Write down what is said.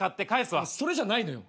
それじゃないのよ。